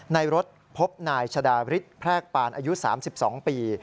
ในรถพบนายชะดาริสแพรกปานอายุ๓๒ปี